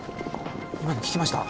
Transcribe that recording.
今の聞きました？